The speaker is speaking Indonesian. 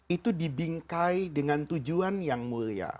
itu dibingkai dengan tujuan yang mulia